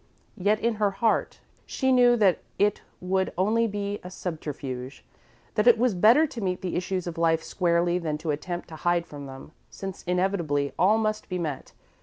Yet, in her heart, she knew that it would be only a subterfuge; that it was better to meet the issues of Life squarely than to attempt to hide from them, since inevitably all must be met.